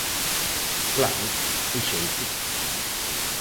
Claro, o xeito.